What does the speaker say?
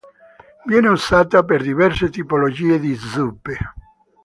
Viene usata per diverse tipologie di zuppe.